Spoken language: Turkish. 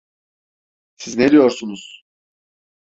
Siz ne diyorsunuz?